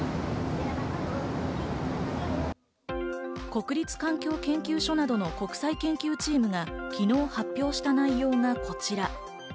国立環境研究所などの国際研究チームが昨日発表した内容がこちら。